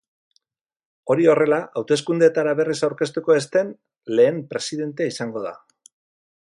Hori horrela, hauteskundeetara berriz aurkeztuko ez den lehen presidentea izango da.